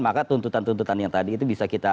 maka tuntutan tuntutan yang tadi itu bisa kita